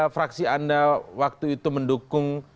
fraksi anda waktu itu mendukung